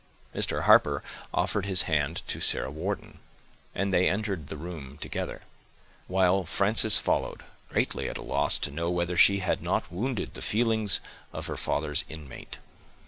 Mr. Harper offered his hand to Sarah Wharton, and they entered the room together; while Frances followed, greatly at a loss to know whether she had not wounded the feelings of her father's inmate.